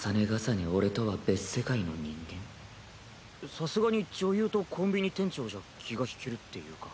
さすがに女優とコンビニ店長じゃ気が引けるっていうか。